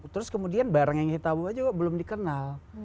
terus kemudian barang yang kita bawa juga belum dikenal